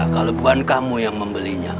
kalau bukan kamu yang membelinya